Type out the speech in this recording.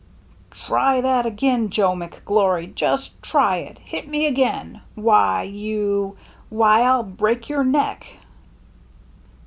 " Try that again, Joe McGlory ! Just try it ! Hit me again! Why, you — why, I'll break your neck